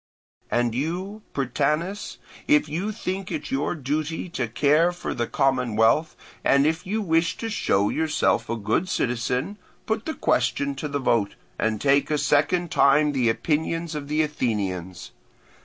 "And you, Prytanis, if you think it your duty to care for the commonwealth, and if you wish to show yourself a good citizen, put the question to the vote, and take a second time the opinions of the Athenians.